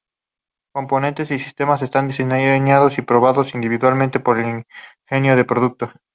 Componentes y sistemas están diseñados y probados individualmente por el Ingeniero de Producto.